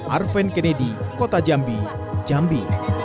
arven kennedy kota jambi jambi